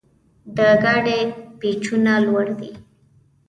د ګاډي پېچونه لوړ دي.